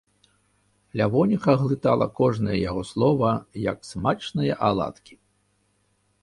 Лявоніха глытала кожнае яго слова, як смачныя аладкі.